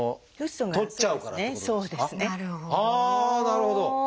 なるほど。